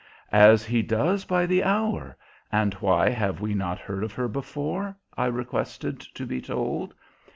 "As he does by the hour! And why have we not heard of her before?" I requested to be told.